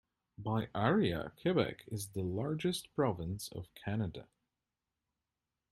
By area, Quebec is the largest province of Canada.